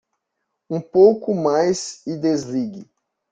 Um pouco mais e desligue.